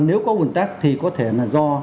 nếu có ủn tắc thì có thể là do